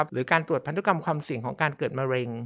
หรือการตรวจพันธุกรรมความเสี่ยงของการเกิดมะเร็ง